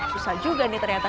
susah juga nih ternyata